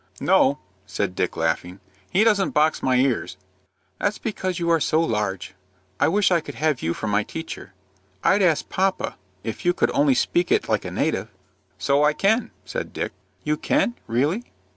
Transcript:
"No," said Dick, laughing. "He doesn't box my ears." "That's because you're so large. I wish I could have you for my teacher. I'd ask papa, if you could only speak it like a native." "So I can," said Dick. "You can, really?"